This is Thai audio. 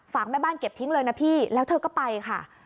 แม่บ้านเก็บทิ้งเลยนะพี่แล้วเธอก็ไปค่ะ